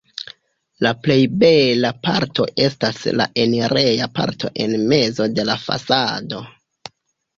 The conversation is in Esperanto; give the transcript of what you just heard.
La plej bela parto estas la enireja parto en mezo de la fasado.